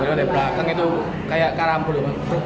berhenti belakang itu kayak karambul